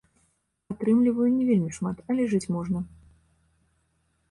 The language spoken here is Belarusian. Атрымліваю не вельмі шмат, але жыць можна.